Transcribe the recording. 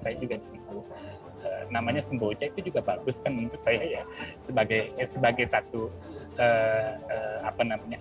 saya juga disitu namanya sembocay itu juga bagus kan untuk saya sebagai sebagai satu ke apa namanya